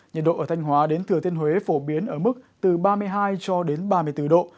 nhiệt độ ở thanh hóa đến thừa thiên huế phổ biến ở mức từ ba mươi hai cho đến ba mươi bốn độ